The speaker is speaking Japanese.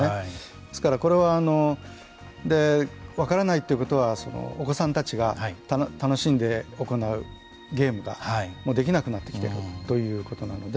ですからこれは分からないということはお子さんたちが楽しんで行うゲームができなくなってきているということなので。